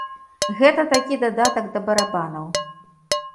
Гэта такі дадатак да барабанаў.